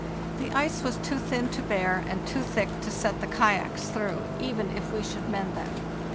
The ice was too thin to bear and too thick to set the kayaks through, even if we should mend them.